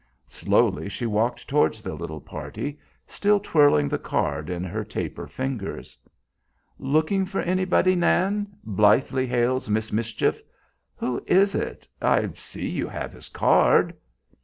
Slowly she walked towards the little party, still twirling the card in her taper fingers. "Looking for anybody, Nan?" blithely hails "Miss Mischief." "Who is it? I see you have his card."